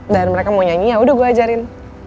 dan mereka mau nyanyi yaudah gue ajarin